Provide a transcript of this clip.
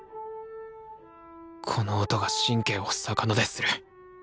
この音が神経を逆なでする。